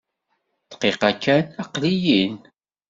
Dqiqa kan! Aqli-yin!